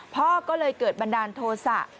พ่อก็เลยเกิดบันดาลโทษะ